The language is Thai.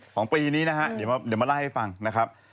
ปีนี้นะฮะเดี๋ยวมาเล่าให้ฟังนะครับ